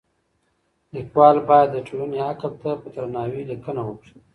ليکوال بايد د ټولني عقل ته په درناوي ليکنه وکړي.